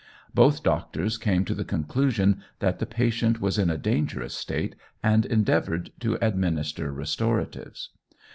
Both doctors came to the conclusion that the patient was in a dangerous state, and endeavoured to administer restoratives.